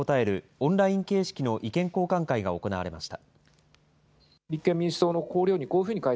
オンライン形式の意見交換会が行われました。